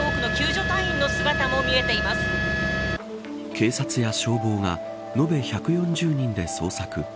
警察や消防が延べ１４０人で捜索。